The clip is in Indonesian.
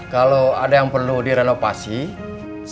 kalau ada yang perlu direloj pasang